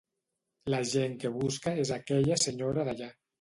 La gent que busca és aquella senyora d'allà.